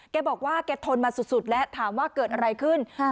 แกบอกว่าแกทนมาสุดและถามว่าเกิดอะไรขึ้น